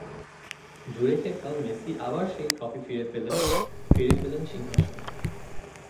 জুরিখে কাল মেসি আবার সেই ট্রফি ফিরে পেলেন, ফিরে পেলেন সিংহাসন।